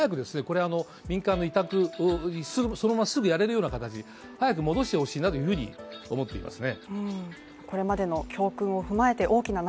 これ民間の委託を急ぐそのまますぐやれるような形早く戻してほしいなというふうに思っていますね